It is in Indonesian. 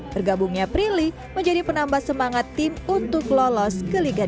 bergabungnya prilly menjadi penambah semangat tim untuk lolos ke liga dua